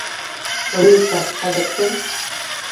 Рингта хәҙер кем?